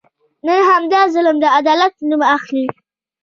نن همدا ظلم د عدالت نوم اخلي.